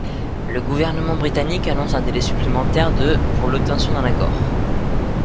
Le gouvernement britannique annonce un délai supplémentaire de pour l'obtention d'un accord.